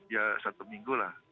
ya satu minggu lah